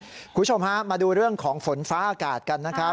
คุณผู้ชมฮะมาดูเรื่องของฝนฟ้าอากาศกันนะครับ